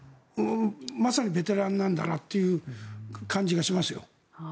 まさにベテランなんだなという感じがしますよ。